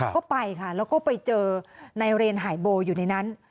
ก็ไปค่ะแล้วก็ไปเจอนายเรนหายโบอยู่ในนั้น